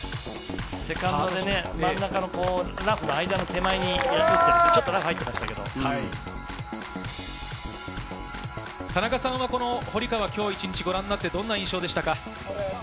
セカンドで真ん中のラフの間の手前にちょっと入っていましたけど、田中さんは堀川を今日一日ご覧なってどんな印象でしたか？